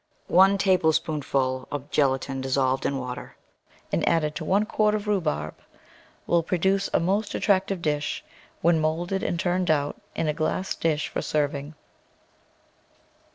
One tablespoonful of gelatin dis solved in water and added to one quart of rhubarb will produce a most attractive dish when moulded and turned out in a glass dish for serving.